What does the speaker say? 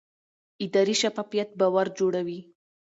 اداري شفافیت باور جوړوي